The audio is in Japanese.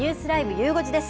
ゆう５時です。